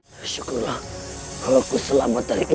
terima kasih banyak